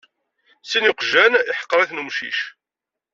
Sin n yiqjan yeḥqer-iten umcic.